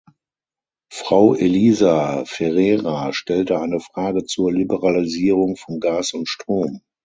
Frau Elisa Ferreira stellte eine Frage zur Liberalisierung von Gas und Strom.